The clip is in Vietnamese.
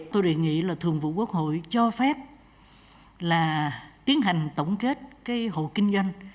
tôi đề nghị là thường vụ quốc hội cho phép là tiến hành tổng kết cái hộ kinh doanh